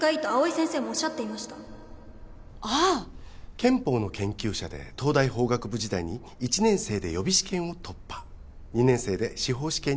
憲法の研究者で東大法学部時代に１年生で予備試験を突破２年生で司法試験に合格したそうで。